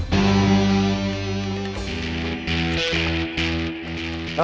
buang rumah ya deng